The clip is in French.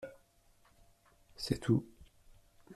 C’est tout.